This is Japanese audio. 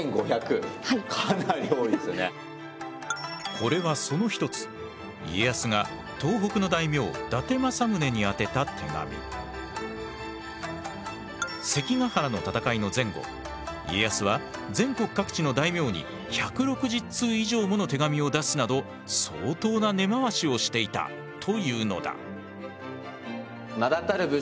これはその一つ関ヶ原の戦いの前後家康は全国各地の大名に１６０通以上もの手紙を出すなど相当な根回しをしていたというのだ。